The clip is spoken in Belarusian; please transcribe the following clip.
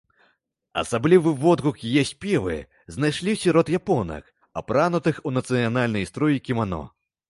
Асаблівы водгук яе спевы знайшлі сярод японак, апранутых у нацыянальныя строі кімано.